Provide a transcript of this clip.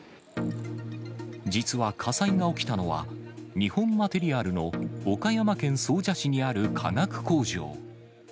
実は火災が起きたのは、日本マテリアルの岡山県総社市にある化学工場。